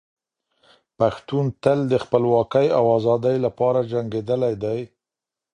پښتون تل د خپلواکۍ او ازادۍ لپاره جنګېدلی دی.